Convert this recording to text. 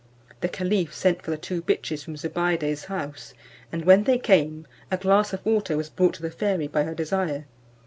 The caliph sent for the two bitches from Zobeide's house, and when they came, a glass of water was brought to the fairy by her desire.